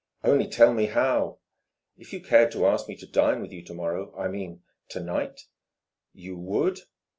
"Only tell me how!" "If you cared to ask me to dine with you to morrow I mean, to night " "You would